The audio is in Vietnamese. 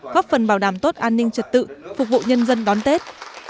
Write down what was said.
góp phần bảo đảm tốt an ninh trật tự phục vụ nhân dân đón tết